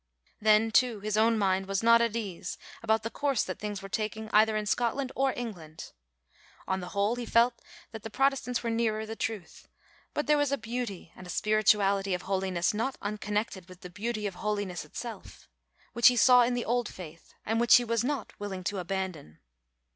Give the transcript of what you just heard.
Then too, his own mind was not at ease about the course that things were taking, either in Scotland or England. On the whole he felt that the Protestants were nearer the truth, but there was a beauty and a spirituality of holiness not unconnected with the beauty of holiness itself, which he saw in the old faith and which he was not willing to abandon.